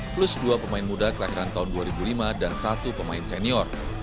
plus dua pemain muda kelahiran tahun dua ribu lima dan satu pemain senior